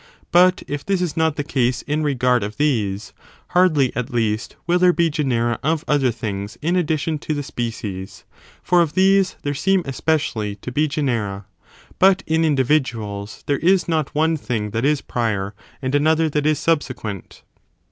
But if this is not the case in regard of these, hardly, at least, will there be genera of other things in addition to the species, for of these there seem especially to be genera. But in individuals there is not one thing that is prior, and another that is subsequent.